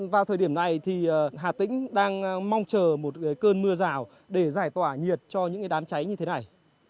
vào thời điểm này thì hà tĩnh đang mong chờ một cơn mưa rào để giải tỏa nhiệt cho những đám cháy như thế này